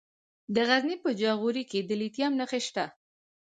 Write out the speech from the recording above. د غزني په جاغوري کې د لیتیم نښې شته.